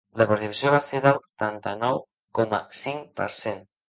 La participació va ser del setanta-nou coma cinc per cent.